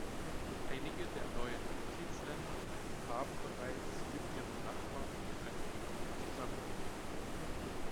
Einige der neuen Mitgliedsländer haben bereits mit ihren Nachbarn in einer Union zusammengelebt.